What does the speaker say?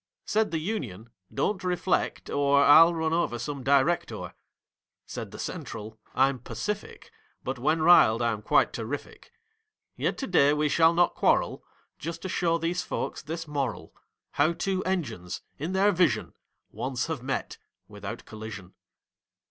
Said the Union: "Don't reflect, or I'll run over some Director." Said the Central: "I'm Pacific; But, when riled, I'm quite terrific. Yet to day we shall not quarrel, Just to show these folks this moral, How two Engines—in their vision— Once have met without collision."